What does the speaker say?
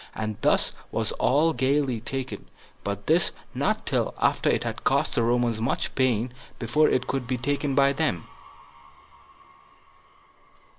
And thus was all Galilee taken, but this not till after it had cost the Romans much pains before it could be taken by them.